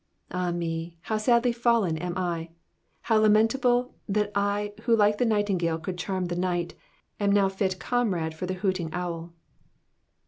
Ah me, how sadly fallen am 1 1 How lamentable that I, who like the ni<^htingale could charm the night, am now fit comrade for the hooting owl.